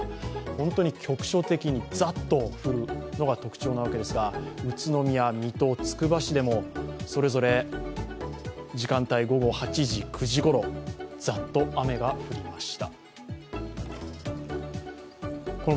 本当に局所的にザッと降るのが特徴なわけですが、宇都宮、水戸、つくば市でもそれぞれ時間帯、午後８時、９時ごろざっと雨が降りました。